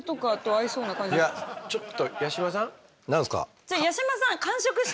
何すか？